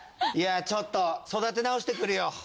いやちょっと育て直してくるよ。